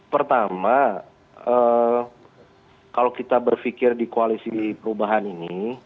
pertama kalau kita berpikir di koalisi perubahan ini